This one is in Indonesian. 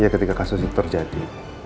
ketika kasus itu terjadi